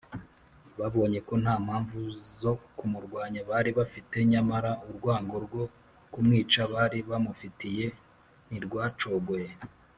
babonye ko nta mpamvu zo kumurwanya bari bafite, nyamara urwango rwo kumwica bari bamufitiye ntirwacogoye